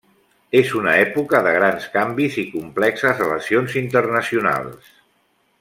És una època de grans canvis i complexes relacions internacionals.